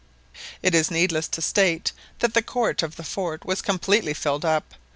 It is needless to state that the court of the fort was completely filled up.